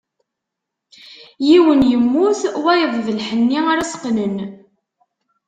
Yiwen yemmut, wayeḍ d lḥenni ara s-qqnen.